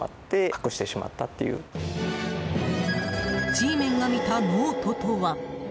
Ｇメンが見たノートとは？